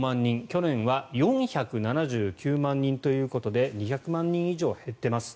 去年は４７９万人ということで２００万人以上減っています。